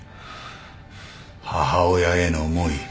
母親への思い。